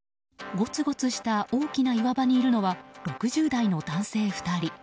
ごつごつした大きな岩場にいるのは６０代の男性２人。